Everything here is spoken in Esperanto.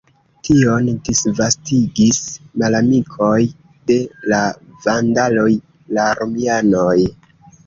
Tion disvastigis malamikoj de la vandaloj, la romianoj.